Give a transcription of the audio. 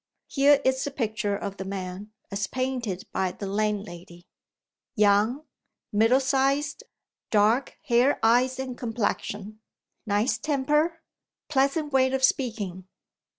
Here is the picture of the man, as painted by the landlady: Young; middle sized; dark hair, eyes, and complexion; nice temper, pleasant way of speaking.